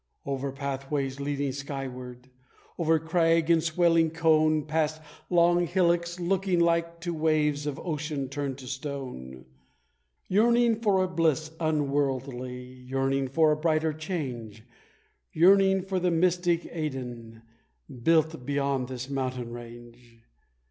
Over pathways leading skyward over crag and swelling cone, Past long hillocks looking like to waves of ocean turned to stone; Yearning for a bliss unworldly, yearning for a brighter change, Yearning for the mystic Aidenn, built beyond this mountain range.